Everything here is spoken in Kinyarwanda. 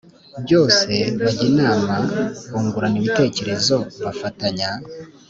byose, bajya inama, bungurana ibitekerezo, bafatanya